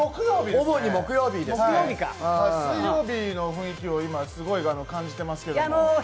木曜日ですね、水曜日の雰囲気をすごい感じていますけど。